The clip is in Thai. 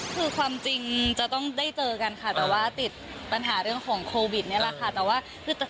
คือความจริงจะต้องได้เจอกันค่ะแต่ว่าติดปัญหาเรื่องของโควิดนี่แหละค่ะ